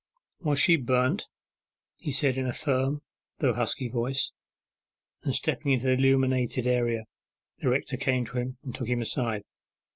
'Was she burnt?' he said in a firm though husky voice, and stepping into the illuminated area. The rector came to him, and took him aside.